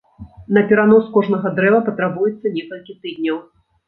На перанос кожнага дрэва патрабуецца некалькі тыдняў.